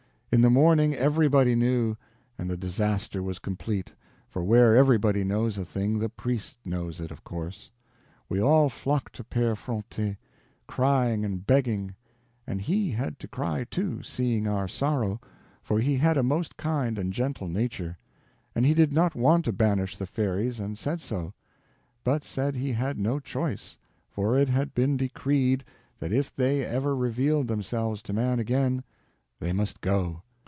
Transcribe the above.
In the morning everybody knew, and the disaster was complete, for where everybody knows a thing the priest knows it, of course. We all flocked to Pere Fronte, crying and begging—and he had to cry, too, seeing our sorrow, for he had a most kind and gentle nature; and he did not want to banish the fairies, and said so; but said he had no choice, for it had been decreed that if they ever revealed themselves to man again, they must go.